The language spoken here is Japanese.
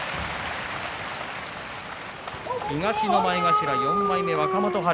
東の前頭４枚目、若元春。